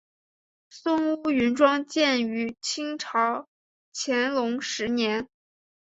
松坞云庄建于清朝乾隆十年。